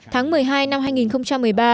tháng một mươi hai năm hai nghìn một mươi ba